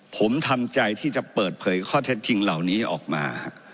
ผมทำใจที่จะเปิดเผยข้อเท็จจริงเหล่านี้ออกมา